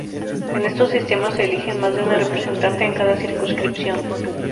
En estos sistemas se eligen más de un representante en cada circunscripción.